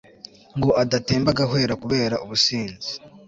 ngo adatemba agahwera kubera ubusinzi